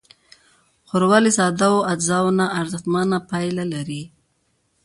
ښوروا له سادهو اجزاوو نه ارزښتمنه پايله لري.